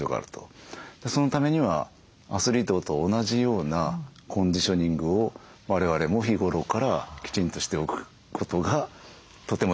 そのためにはアスリートと同じようなコンディショニングを我々も日頃からきちんとしておくことがとても重要になると思うんですよね。